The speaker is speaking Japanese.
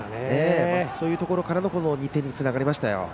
そういうところからの２点につながりましたよ。